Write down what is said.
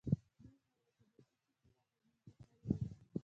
دوی یو رقابتي چاپېریال رامنځته کړی و